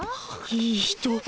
いい人！